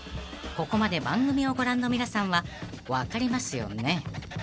［ここまで番組をご覧の皆さんは分かりますよね？］